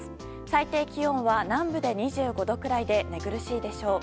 最低気温は南部で２５度くらいで寝苦しいでしょう。